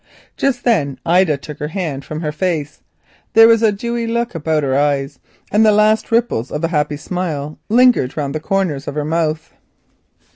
Just then Ida took her hand from her face. There was a dewy look about her eyes, and the last ripples of a happy smile lingered round the corners of her mouth.